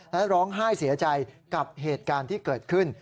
และร้องไห้เสียใจกับเหตุการณ์ที่เกิดขึ้น